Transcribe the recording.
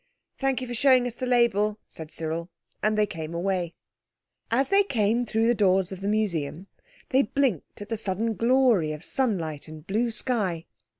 "Thank you for showing us the label," said Cyril. And they came away. As they came through the doors of the Museum they blinked at the sudden glory of sunlight and blue sky.